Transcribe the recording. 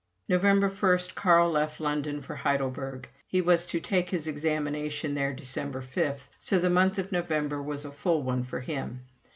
November 1 Carl left London for Heidelberg. He was to take his examination there December 5, so the month of November was a full one for him.